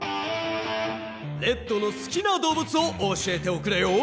レッドのすきなどうぶつを教えておくれよ！